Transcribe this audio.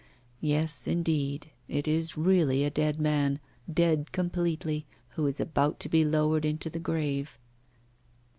Yes, indeed, it is really a dead man, dead completely, who is about to be lowered into the grave.